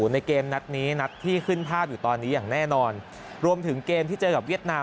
ในเกมนัดนี้นัดที่ขึ้นภาพอยู่ตอนนี้อย่างแน่นอนรวมถึงเกมที่เจอกับเวียดนาม